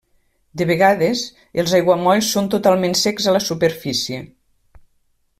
De vegades, els aiguamolls són totalment secs a la superfície.